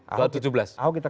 kalau kita kalah